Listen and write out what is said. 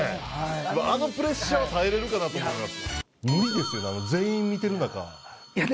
あのプレッシャーは耐えれるかなと思います。